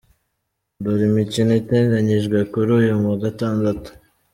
Dore imikino iteganyijwe kuri uyu wa Gatandatu:.